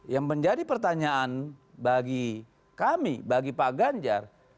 yang menjadi pertanyaan bagi kami bagi pak ganjar